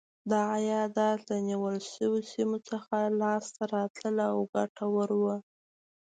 دا عایدات له نیول شویو سیمو څخه لاسته راتلل او ګټور و.